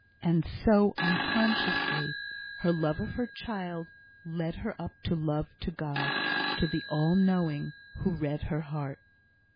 And so, unconsciously, her love for her child led her up to love to God, to the All knowing, who read her heart.